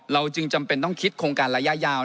เราจึงจำเป็นต้องคิดโครงการระยะยาว